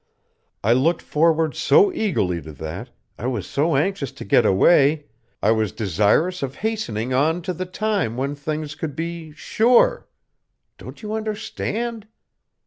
I looked forward so eagerly to that, I was so anxious to get away, I was desirous of hastening on to the time when things could be sure! Don't you understand?"